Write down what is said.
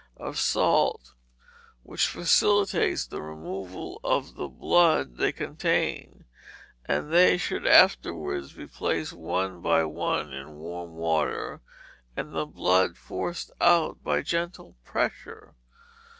of salt, which facilitates the removal of the blood they contain; and they should afterwards be placed one by one in warm water, and the blood forced out by gentle pressure.